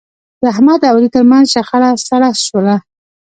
د احمد او علي ترمنځ شخړه سړه شوله.